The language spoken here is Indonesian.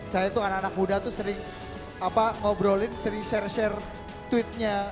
saya tuh anak anak muda tuh sering ngobrolin sering share share tweetnya